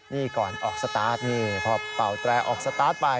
นี่ก่อนออกสตาร์ทนี่พอเป่าแตรออกสตาร์ทไป